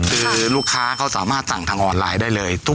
คือลูกค้าเขาสามารถสั่งทางออนไลน์ได้เลย